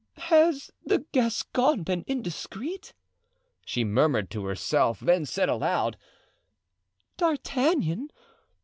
"Has the Gascon been indiscreet?" she murmured to herself, then said aloud: "D'Artagnan!